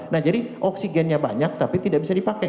nah jadi oksigennya banyak tapi tidak bisa dipakai